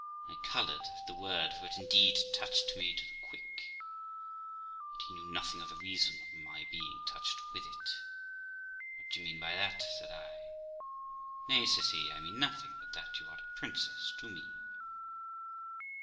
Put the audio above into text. I coloured at the word, for it indeed touched me to the quick; but he knew nothing of the reason of my being touched with it. 'What d'ye mean by that?' said I. 'Nay', says he, 'I mean nothing but that you are a princess to me.'